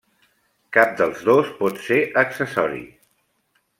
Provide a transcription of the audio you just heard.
Cap dels dos pot ser accessori.